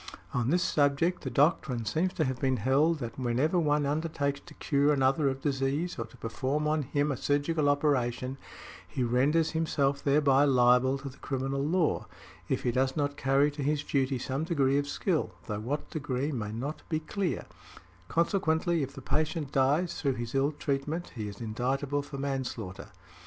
On this subject the doctrine seems to have been held that whenever one undertakes to cure another of disease or to perform on him a surgical operation, he renders himself thereby liable to the criminal law, if he does not carry to his duty some degree of skill, though what degree may not be clear; consequently, if the patient dies through his ill treatment, he is indictable for manslaughter.